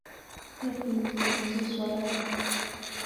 Pia tulizungumzia suala la kile